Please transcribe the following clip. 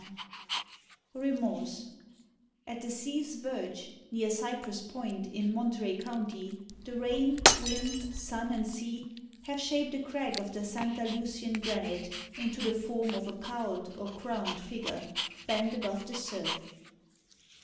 104 REMORSE At the sea's verge, near Cypress Point, in Monterey County, the rain, wind, sun and sea have shaped a crag of the Santa Lucian granite into the form of a cowled or crowned figure, bent above the surf.